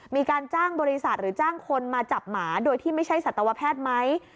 มีการจ้างบริษัทหรือจ้างคนมาจับหมาโดยที่ไม่ใช่สัตวแพทย์ไหม